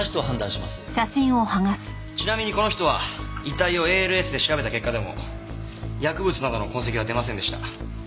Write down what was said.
ちなみにこの人は遺体をＡＬＳで調べた結果でも薬物などの痕跡は出ませんでした。